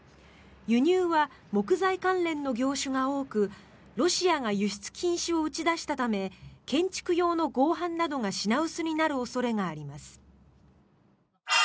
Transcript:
輸入は木材関連の業種が多くロシアが輸出禁止を打ち出したため建築用の合板などが品薄になる恐れがあります。